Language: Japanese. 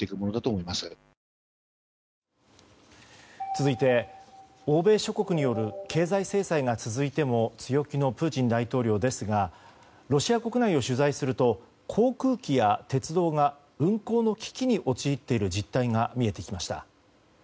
続いて、欧米諸国による経済制裁が続いても強気のプーチン大統領ですがロシア国内を取材すると航空機や鉄道が運行の危機に陥っている実態が見えてきました。